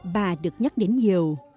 bà được nhắc đến nhiều